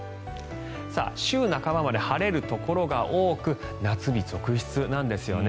週半ばまで晴れるところが多く夏日続出なんですよね。